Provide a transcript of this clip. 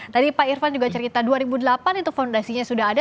tadi pak irfan juga cerita dua ribu delapan itu fondasinya sudah ada